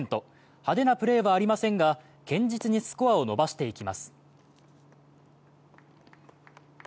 派手なプレーはありませんが、堅実にスコアを伸ばしていきます。